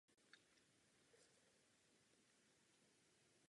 Během zaměstnání vystudoval strojní inženýrství na Univerzitě Tomáše Bati ve Zlíně.